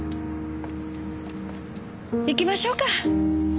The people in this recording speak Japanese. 行きましょうか。